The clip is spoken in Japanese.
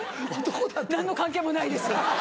何の関係もないです！